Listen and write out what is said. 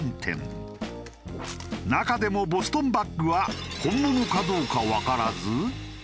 中でもボストンバッグは本物かどうかわからず。